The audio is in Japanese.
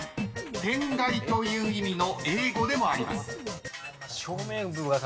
［天蓋という意味の英語でもあります］